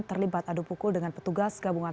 terlibat adu pukul dengan petugas gabungan